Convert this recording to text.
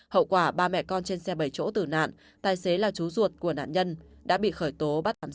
hậu quả ba mẹ con trên xe bảy chỗ tử nạn tài xế là chú ruột của nạn nhân đã bị khởi tố